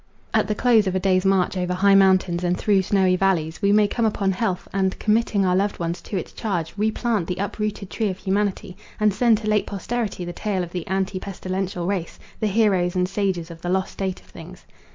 At the close of a day's march over high mountains and through snowy vallies, we may come upon health, and committing our loved ones to its charge, replant the uprooted tree of humanity, and send to late posterity the tale of the ante pestilential race, the heroes and sages of the lost state of things.